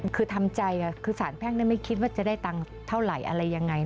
คือทำใจคือสารแพ่งไม่คิดว่าจะได้ตังค์เท่าไหร่อะไรยังไง